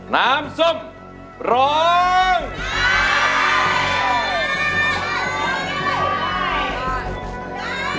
น้ำส้มร้องได้